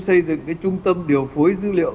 xây dựng cái trung tâm điều phối dữ liệu